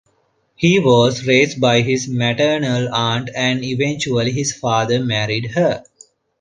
He was raised by his maternal aunt and eventually his father married her.